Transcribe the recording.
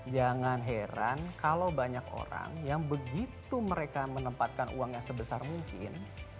jangan heran kalau banyak orang yang begitu mereka menempatkan uang yang sebesar mungkin